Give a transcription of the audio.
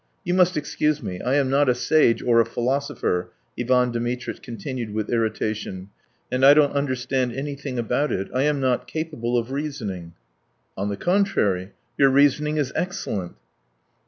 You must excuse me, I am not a sage or a philosopher," Ivan Dmitritch continued with irritation, "and I don't understand anything about it. I am not capable of reasoning." "On the contrary, your reasoning is excellent."